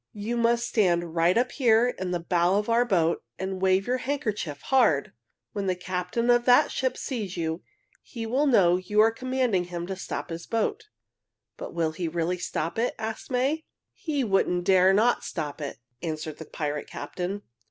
"You must stand right up here in the bow of our boat and wave your handkerchief hard. When the captain of that ship sees you, he will know you are commanding him to stop his boat." "But will he really stop it?" asked May. "He wouldn't dare not to stop it," answered the pirate captain.